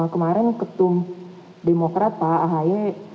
kemarin ketum demokrat pak ahy